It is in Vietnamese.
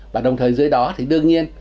và đồng thời dưới đó thì đương nhiên